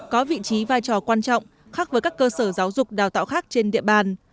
có vị trí vai trò quan trọng khác với các cơ sở giáo dục đào tạo khác trên địa bàn